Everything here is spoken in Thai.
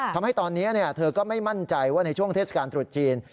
ทำให้ตอนนี้เธอก็ไม่มั่นใจว่าในช่วงเทศกาลตรุษจีน